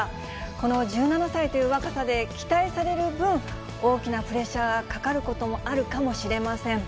この１７歳という若さで期待される分、大きなプレッシャーがかかることもあるかもしれません。